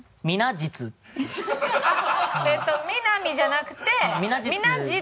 えっと「みなみ」じゃなくて「みなじつ」。